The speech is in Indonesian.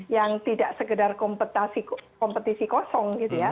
yang tidak sekedar kompetisi kosong gitu ya